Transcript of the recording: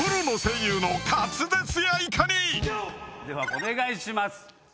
ではお願いします。